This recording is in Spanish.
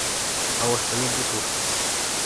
Aguascalientes Sur.